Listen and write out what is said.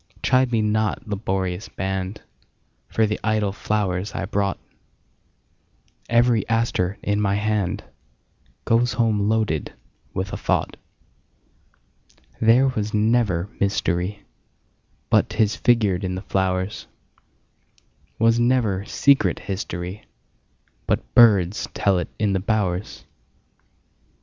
Chide me not, laborious band, For the idle flowers I brought; Every aster in my handGoes home loaded with a thought. There was never mysteryBut 'tis figured in the flowers; SWas never secret historyBut birds tell it in the bowers.